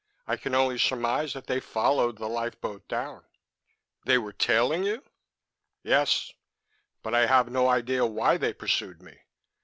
I can only surmise that they followed the lifeboat down." "They were tailing you?" "Yes; but I have no idea why they pursued me.